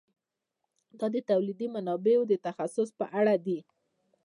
دا د تولیدي منابعو د تخصیص په اړه دی.